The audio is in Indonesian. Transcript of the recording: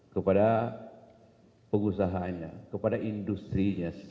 kepada pengusahanya kepada industri